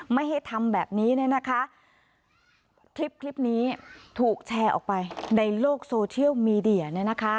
ไม่ให้ทำแบบนี้เนี่ยนะคะคลิปนี้ถูกแชร์ออกไปในโลกโซเชียลมีเดียเนี่ยนะคะ